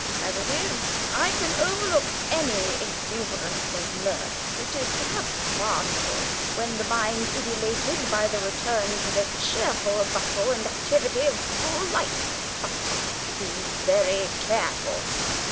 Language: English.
As it is, I can overlook any exuberance of mirth which is, perhaps, pardonable when the mind is elated by the return to the cheerful bustle and activity of school life. But be very careful."